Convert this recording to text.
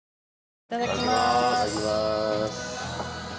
いただきます。